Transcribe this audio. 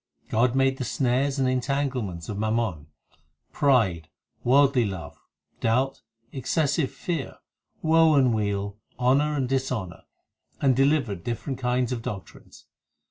God made the snares and entanglements of mammon, Pride, worldly love, doubt, excessive fear, Woe and weal, honour and dishonour, And delivered different kinds of doctrines.